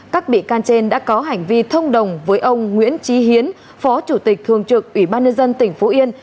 các bị can trên đã có hành vi thông đồng với ông nguyễn trí hiến phó chủ tịch thường trực ủy ban nhân dân tỉnh phú yên